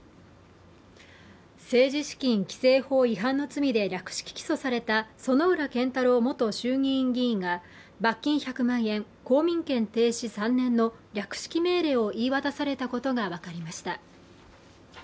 政治資金規正法違反の罪で略式起訴された薗浦健太郎元衆議院議員が罰金１００万円、公民権停止３年の略式命令を言い渡されたことが分かりました。